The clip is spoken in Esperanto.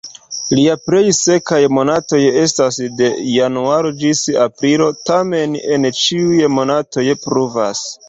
Lia plej sekaj monatoj estas de januaro ĝis aprilo, tamen, en ĉiuj monatoj pluvas.